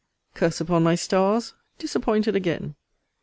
Curse upon my stars! Disappointed again!